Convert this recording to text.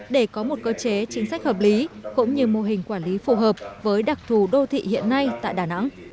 để có một cơ chế chính sách hợp lý cũng như mô hình quản lý phù hợp với đặc thù đô thị hiện nay tại đà nẵng